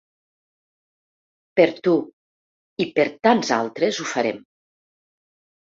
Per tu, i per tants altres ho farem.